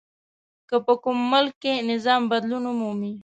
که په کوم ملک کې نظام بدلون ومومي.